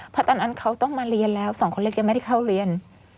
เพราะตอนนั้นเขาต้องมาเรียนแล้วสองคนเล็กยังไม่ได้เข้าเรียน